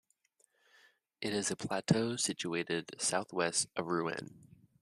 It is a plateau situated southwest of Rouen.